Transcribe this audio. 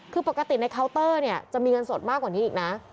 คือปกติในเคาน์เตอร์เนี่ยจะมีเงินสดมากกว่านี้อีกนะ